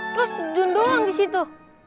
terus jun doang disitu